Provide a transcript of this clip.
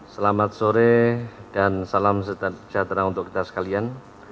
selamat sore dan salam sejahtera untuk kita sekalian